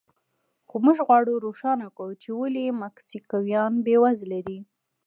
خو موږ غواړو روښانه کړو چې ولې مکسیکویان بېوزله دي.